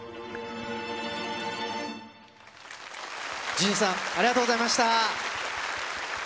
ＪＵＪＵさん、ありがとうございました。